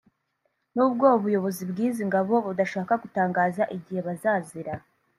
n’ubwo ubuyobozi bw’izi ngabo budashaka gutangaza igihe bazazira